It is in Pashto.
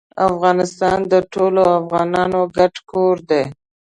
افغانستان د ټولو افغانانو ګډ کور دی